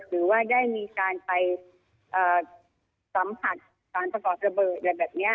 หรือว่าได้มีการไปสัมผัสสารประกอบระเบิดอะไรแบบนี้